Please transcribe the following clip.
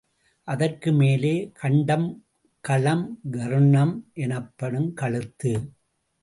அதற்கும் மேலே கண்டம், களம் கர்ணம் எனப்படும் கழுத்து.